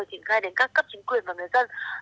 triển khai đến các cấp chính quyền và người dân